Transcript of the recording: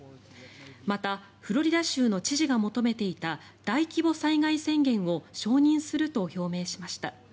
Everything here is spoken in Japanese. また、フロリダ州の知事が求めていた大規模災害宣言を承認すると表明しました。